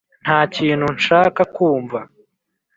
ntakintu nshaka kumva